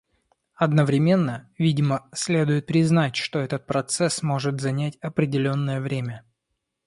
Одновременно, видимо, следует признать, что этот процесс может занять определенное время.